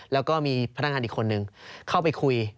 แล้วก็มีพนักงานอีกคนนึงเข้าไปคุย